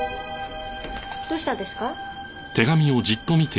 どうしたんですか？